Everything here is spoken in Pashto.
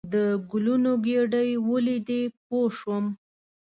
د ګلونو ګېدۍ ولیدې پوه شوم.